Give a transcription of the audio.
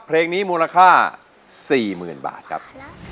เพลงนี้มูลค่า๔๐๐๐บาทครับ